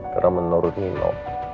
karena menurut nino